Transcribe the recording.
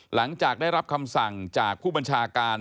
หลังจากได้รับคำสั่งจากผู้บัญชาการ